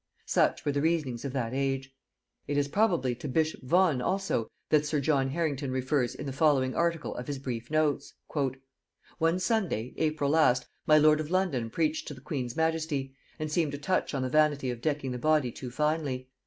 Such were the reasonings of that age. [Note 120: Strype's Annals.] It is probably to bishop Vaughan also that sir John Harrington refers in the following article of his Brief Notes. "One Sunday (April last) my lord of London preached to the queen's majesty, and seemed to touch on the vanity of decking the body too finely.